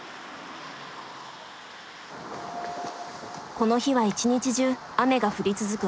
この日は一日中雨が降り続く